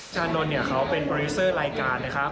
ชานนท์เนี่ยเขาเป็นโปรดิวเซอร์รายการนะครับ